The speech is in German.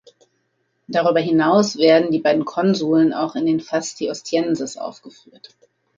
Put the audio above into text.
Darüber hinaus werden die beiden Konsuln auch in den Fasti Ostienses aufgeführt.